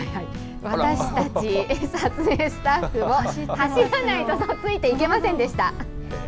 私たち、撮影スタッフも走らないとついていけませんでした。